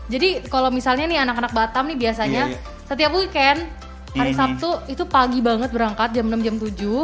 jadi kalau misalnya nih anak anak batam nih biasanya setiap weekend hari sabtu itu pagi banget berangkat jam enam jam tujuh